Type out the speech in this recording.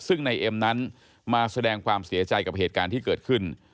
ซึ่งนายเอ็มนั้นมาแสดงความเสียใจกับเหตุการณ์ที่เกิดขึ้น